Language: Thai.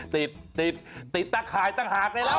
ติดติดติดตั้งหายตั้งหากในเหล้า